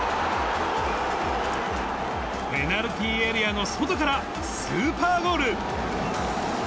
ペナルティーエリアの外からスーパーゴール。